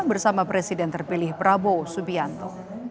bersama presiden terpilih prabowo subianto